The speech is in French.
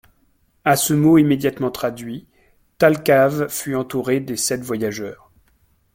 À ce mot immédiatement traduit, Thalcave fut entouré des sept voyageurs.